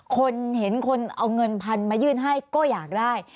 คนเห็นคนเอาเงินพันมายื่นให้ก็อยากได้